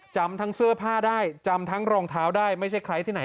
จำทั้งเสื้อผ้าได้จำทั้งรองเท้าได้ไม่ใช่ใครที่ไหน